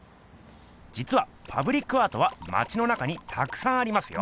じつはパブリックアートはまちの中にたくさんありますよ。